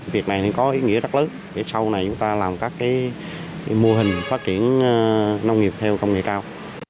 việc này có ý nghĩa rất lớn để sau này chúng ta làm các mô hình phát triển nông nghiệp theo công nghệ cao